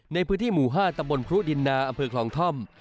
ในพื้นที่หมู่๕ตำบลพรุดินนาอำเภอคลองท่อม